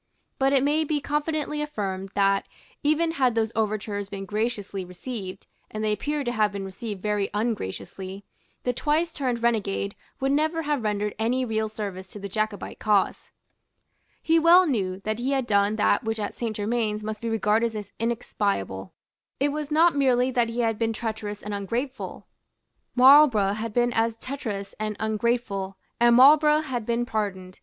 But it may be confidently affirmed that, even had those overtures been graciously received, and they appear to have been received very ungraciously, the twice turned renegade would never have rendered any real service to the Jacobite cause. He well knew that he had done that which at Saint Germains must be regarded as inexpiable. It was not merely that he had been treacherous and ungrateful. Marlborough had been as treacherous and ungrateful; and Marlborough had been pardoned.